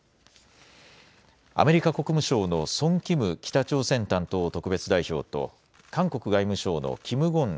アメリカ国務省のソン・キム北朝鮮担当特別代表と韓国外務省のキム・ゴン